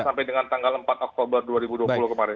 sampai dengan tanggal empat oktober dua ribu dua puluh kemarin